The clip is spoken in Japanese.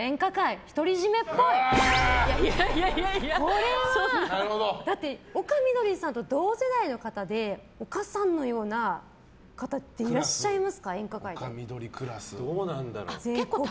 これは、だって丘みどりさんと同世代の方で丘さんのような方っていらっしゃいますか？